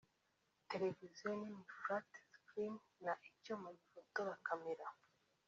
televisiyo nini (flat screen) na icyuma gifotora (Camera)